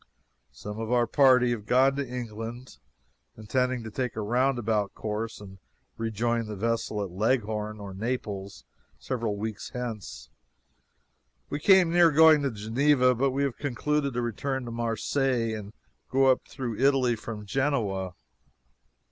Some of our party have gone to England, intending to take a roundabout course and rejoin the vessel at Leghorn or Naples several weeks hence. We came near going to Geneva, but have concluded to return to Marseilles and go up through Italy from Genoa.